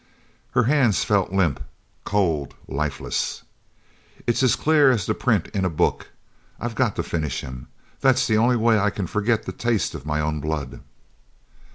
Her hands fell limp, cold, lifeless. "It's as clear as the print in a book. I've got to finish him. That's the only way I can forget the taste of my own blood."